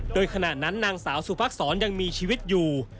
โดยขณะนั้นนางสาวสุภักษรยังมีชีวิตอยู่